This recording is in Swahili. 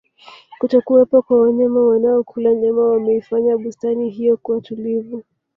kutokuwepo kwa wanyama wanaokula nyama kumeifanya bustani hiyo kuwa tulivu